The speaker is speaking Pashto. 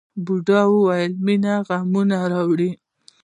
بودا وایي مینه غمونه راوړي.